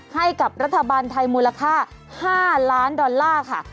ให้กับรัฐบาลไทยมูลค่า๕ล้านดอลลาร์ค่ะ